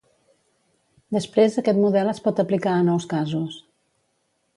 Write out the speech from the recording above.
Després aquest model es pot aplicar a nous casos.